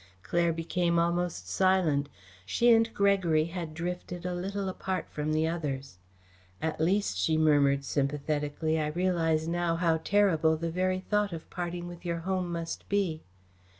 Claire became almost silent. She and Gregory had drifted a little apart from the others. "At least," she murmured sympathetically, "I realise now how terrible the very thought of parting with your home must be."